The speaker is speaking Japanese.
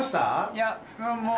いやもう。